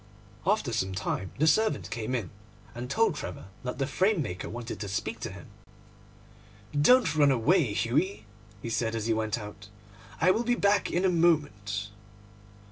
After some time the servant came in, and told Trevor that the framemaker wanted to speak to him. 'Don't run away, Hughie,' he said, as he went out, 'I will be back in a moment.